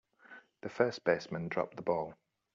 The first baseman dropped the ball.